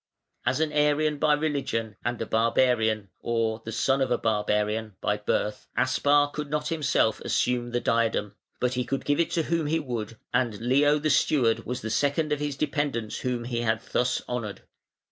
As an Arian by religion, and a barbarian, or the son of a barbarian, by birth, Aspar could not himself assume the diadem, but he could give it to whom he would, and Leo the steward was the second of his dependants whom he had thus honoured.